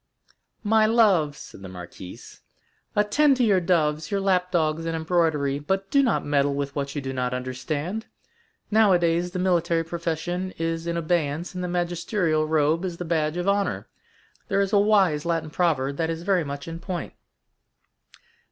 "My love," said the marquise, "attend to your doves, your lap dogs, and embroidery, but do not meddle with what you do not understand. Nowadays the military profession is in abeyance and the magisterial robe is the badge of honor. There is a wise Latin proverb that is very much in point."